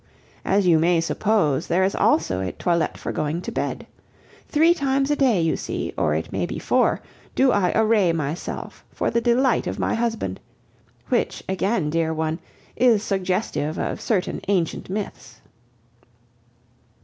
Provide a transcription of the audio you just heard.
As you may suppose, there is also a toilet for going to bed. Three times a day, you see, or it may be four, do I array myself for the delight of my husband; which, again, dear one, is suggestive of certain ancient myths.